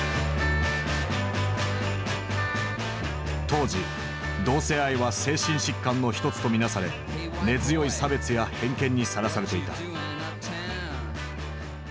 当時同性愛は精神疾患のひとつと見なされ根強い差別や偏見にさらされていた。